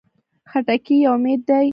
خټکی یو امید دی.